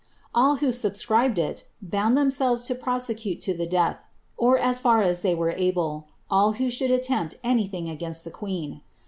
All who subscribed it, bound themselves to prose death, or as far as they were able, all who should attempt iinst the queen.